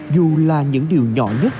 dù là những điều nhỏ nhất